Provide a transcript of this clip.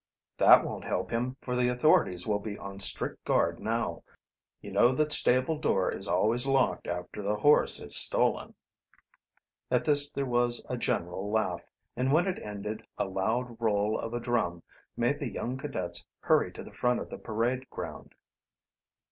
"That won't help him, for the authorities will be on strict guard now. You know the stable door is always locked after the horse is stolen." At this there was a general laugh, and when it ended a loud roll of a drum made the young cadets hurry to the front of the parade ground.